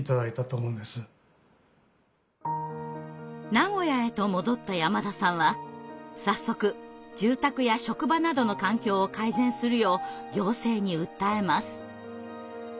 名古屋へと戻った山田さんは早速住宅や職場などの環境を改善するよう行政に訴えます。